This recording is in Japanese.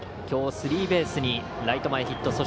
きょうスリーベースにライト前ヒット。